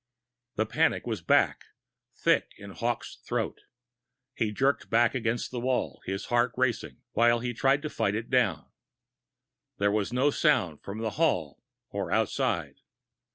The panic was back, thick in Hawkes' throat. He jerked back against the wall, his heart racing, while he tried to fight it down. There was no sound from the hall or outside.